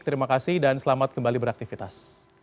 terima kasih dan selamat kembali beraktivitas